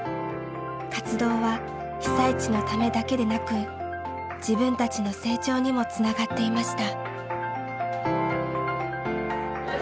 活動は被災地のためだけでなく自分たちの成長にもつながっていました。